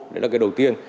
đấy là cái đầu tiên